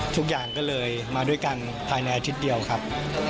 ทุกอย่างก็เลยมาด้วยกันภายในอาทิตย์เดียวครับ